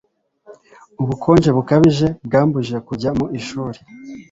Ubukonje bukabije bwamubujije kujya mu ishuri